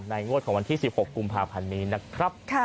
งวดของวันที่๑๖กุมภาพันธ์นี้นะครับ